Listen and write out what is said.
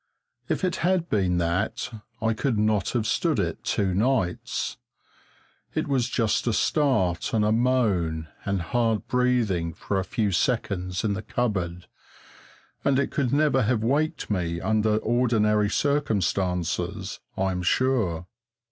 If it had been that I could not have stood it two nights. It was just a start and a moan and hard breathing for a few seconds in the cupboard, and it could never have waked me under ordinary circumstances, I'm sure.